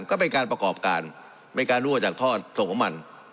ก็เป็นการประกอบการเป็นการรั่วจากทอดส่งของมัน